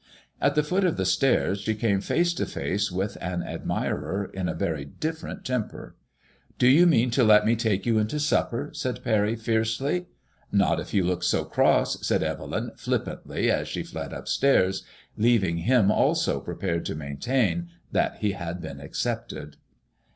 At the foot of the stairs she came face to face with an admirer in a very different temper. Do you mean to let me take you into supper ?" said Parry, fiercely. " Not if you look so cross/' said Evelyn, flippantly, as she fled upstairs, leaving him also prepared to maintain that be had been accepted.